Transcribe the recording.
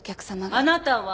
あなたは？